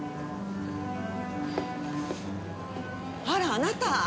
あらあなた！